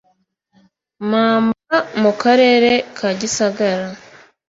mamba mu karere ka gisagara